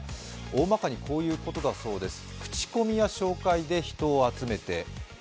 大まかにこういうことだということです。